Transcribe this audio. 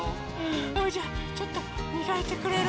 それじゃちょっとみがいてくれる？